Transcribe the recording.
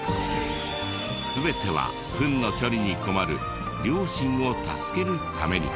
全てはフンの処理に困る両親を助けるために。